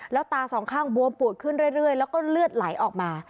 แล้วตาสองข้างบวมปวดขึ้นเรื่อยแล้วก็เลือดไหลออกมา